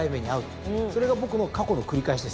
それが僕の過去の繰り返しです。